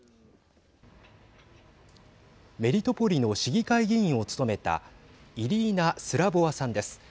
メリトポリの市議会議員を務めたイリーナ・スラボワさんです。